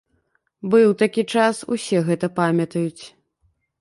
Быў такі час, усе гэта памятаюць.